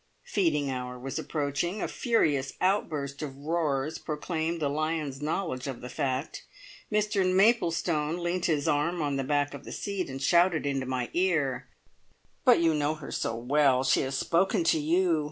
Feeding hour was approaching; a furious outburst of roars proclaimed the lions' knowledge of the fact. Mr Maplestone leant his arm on the back of the seat and shouted into my ear: "But you know her so well; she has spoken to you.